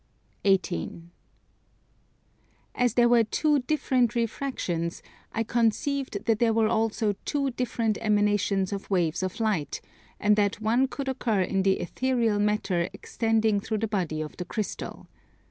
18. As there were two different refractions, I conceived that there were also two different emanations of waves of light, and that one could occur in the ethereal matter extending through the body of the Crystal.